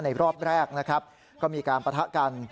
รอบแรกนะครับก็มีการปะทะกัน